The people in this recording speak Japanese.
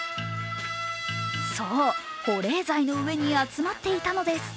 そう、保冷剤の上に集まっていたのです。